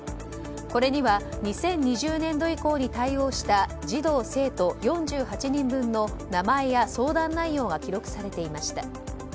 これには２０２０年度以降に対応した児童・生徒４８人分の名前や相談内容が記録されていました。